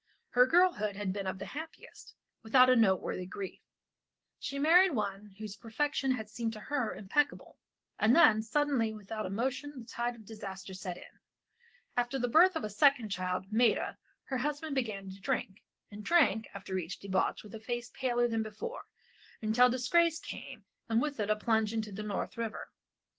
Her girlhood had been of the happiest, without a noteworthy grief. She married one whose perfection had seemed to her impeccable, and then suddenly without a monition the tide of disaster set in. After the birth of a second child, Maida, her husband began to drink, and drank, after each debauch with a face paler than before, until disgrace came and with it a plunge into the North River.